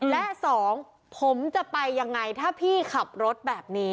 และสองผมจะไปยังไงถ้าพี่ขับรถแบบนี้